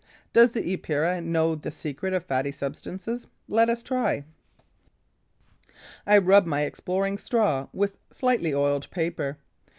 Does the Epeira know the secret of fatty substances? Let us try. I rub my exploring straw with slightly oiled paper.